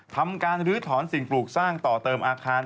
ทำการลื้อถอนสิ่งปลูกสร้างต่อเติมอาคาร